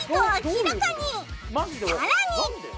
さらに